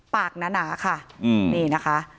หนาค่ะนี่นะคะ